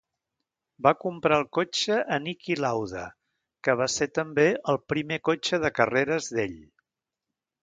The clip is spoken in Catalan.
Va comprar el cotxe a Niki Lauda, que va ser també el primer cotxe de carreres d'ell.